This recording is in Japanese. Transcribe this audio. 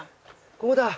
ここだ。